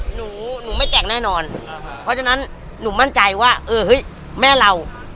หนูหนูไม่แต่งแน่นอนเพราะฉะนั้นหนูมั่นใจว่าเออเฮ้ยแม่เรา